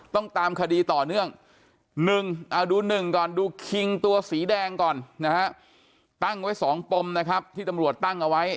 ต้องตามคดีต่อเนื่อง๑เอาดู๑ก่อนดูคิงตัวสีแดงก่อนนะฮะตั้งไว้๒ปมนะครับที่ตำรวจตั้งเอาไว้